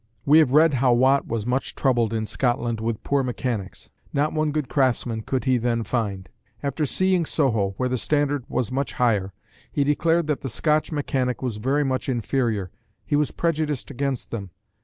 We have read how Watt was much troubled in Scotland with poor mechanics. Not one good craftsman could he then find. After seeing Soho, where the standard was much higher, he declared that the Scotch mechanic was very much inferior; he was prejudiced against them.